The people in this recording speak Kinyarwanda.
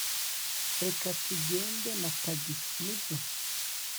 reka tugende na tagisi, nibyo